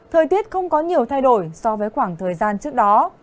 thời tiết không có nhiều thay đổi so với khoảng thời gian trước đó